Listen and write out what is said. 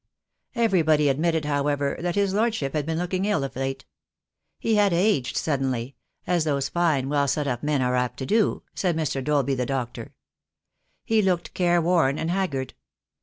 Everybody admitted, however, that his Lordship had been looking ill of late. He had aged suddenly, "as 28 2 THE DAY WILL COME. those fine, well set up men are apt to do," said Mr. Dolby, the doctor. He looked care worn and haggard.